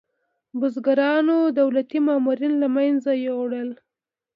بزګرانو دولتي مامورین له منځه یوړل.